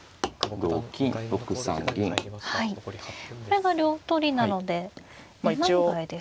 これが両取りなので二枚替えですか。